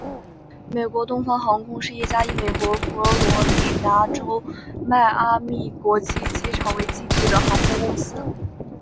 美国东方航空是一家以美国佛罗里达州迈阿密国际机场为基地的航空公司。